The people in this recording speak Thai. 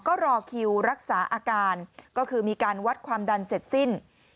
ก็รอคิวรักษาอาการก็คือมีการวัดความดันเสร็จสิ้น